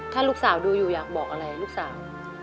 ถ้าลูกสาวดูอยู่อยากบอกอะไรลูกสาว